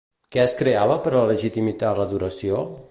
Què es creava per a legitimar l'adoració?